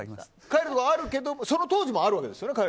帰るところはあるけどその当時もあるわけですよね。